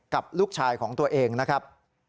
กับลูกชายของตัวเองนะครับ